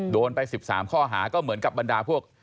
โดนไป๑๓ข้อหาก็เหมือนกับบรรดาพวก